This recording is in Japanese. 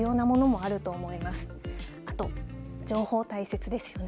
あと情報大切ですよね。